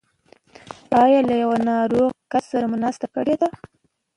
ایا له ناروغ کس سره مو ناسته کړې ده؟